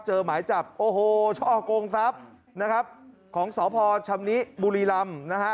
เจอหมายจับโอ้โฮช่อกงซับของสอบพอร์ช่ำนี้บุรีลำนะฮะ